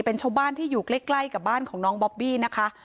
เป็นชาวบ้านที่อยู่ใกล้กับบ้านของน้องบอบบี้นะคะ